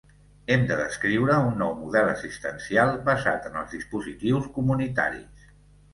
Hem de descriure un nou model assistencial basat en els dispositius comunitaris.